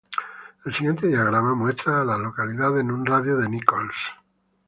El siguiente diagrama muestra a las localidades en un radio de de Nichols.